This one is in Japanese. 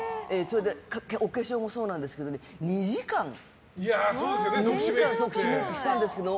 お化粧もそうなんですけど２時間特殊メイクしたんですけど。